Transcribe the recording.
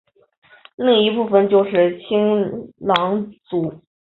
另一部分就是青羌族。